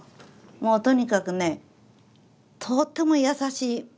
もうとにかくねとっても優しい娘です。